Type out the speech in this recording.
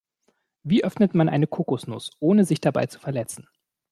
Wie öffnet man eine Kokosnuss, ohne sich dabei zu verletzen?